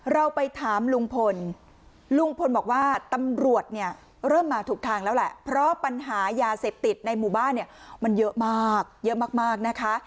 เราไปถามลุงพลลุงพลบอกว่าตำรวจเนี่ยเริ่มมาถูกทางแล้วแหละเพราะปัญหายาเสพติดในหมู่บ้านเนี่ยมันเยอะมากเยอะมากนะคะ